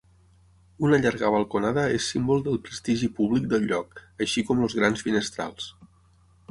Una llarga balconada és símbol del prestigi públic del lloc, així com els grans finestrals.